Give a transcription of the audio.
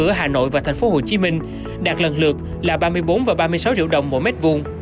ở hà nội và thành phố hồ chí minh đạt lần lượt là ba mươi bốn và ba mươi sáu triệu đồng mỗi mét vuông